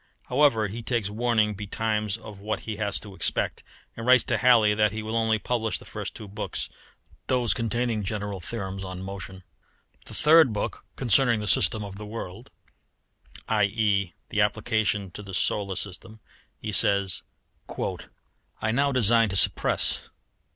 However, he takes warning betimes of what he has to expect, and writes to Halley that he will only publish the first two books, those containing general theorems on motion. The third book concerning the system of the world, i.e. the application to the solar system he says "I now design to suppress.